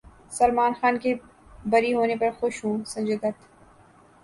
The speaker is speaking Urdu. سلمان خان کے بری ہونے پر خوش ہوں سنجے دت